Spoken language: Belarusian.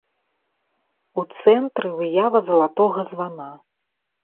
У цэнтры выява залатога звана.